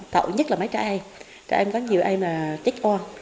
tội nhất là mấy trẻ em trẻ em có nhiều em là chết oan